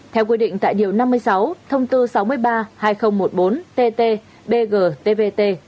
theo quy định tại điều năm mươi sáu thông tư sáu mươi ba hai nghìn một mươi bốn tt bg tvt